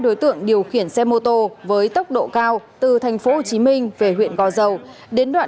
đối tượng điều khiển xe mô tô với tốc độ cao từ thành phố hồ chí minh về huyện gò dầu đến đoạn